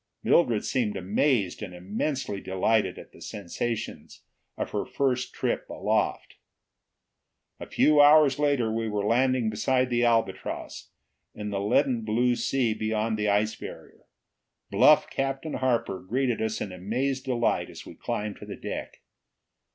Mildred seemed amazed and immensely delighted at the sensations of her first trip aloft. A few hours later we were landing beside the Albatross, in the leaden blue sea beyond the ice barrier. Bluff Captain Harper greeted us in amazed delight as we climbed to the deck.